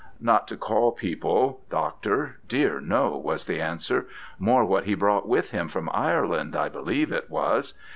'Not to call people, Doctor, dear no,' was the answer; 'more what he brought with him from Ireland, I believe it was.